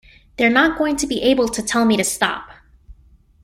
They're not going to be able to tell me to stop.